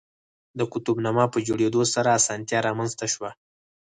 د قطب نما په جوړېدو سره اسانتیا رامنځته شوه.